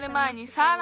サーラ。